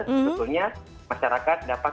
sebetulnya masyarakat dapat